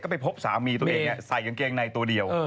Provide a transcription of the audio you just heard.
ไปพบสามีตัวเองใส่กางเกงในตัวเดียว